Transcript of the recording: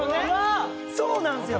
そうなんですよね！